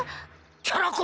キャラ公